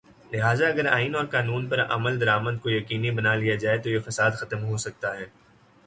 لہذا اگر آئین اور قانون پر عمل درآمد کو یقینی بنا لیا جائے تویہ فساد ختم ہو سکتا ہے۔